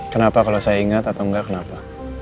kenapa kalau saya ingat atau enggak kenapa